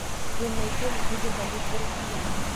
Ён найперш будзе балець за расіян.